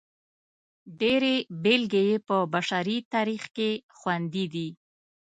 ډېرې بېلګې یې په بشري تاریخ کې خوندي دي.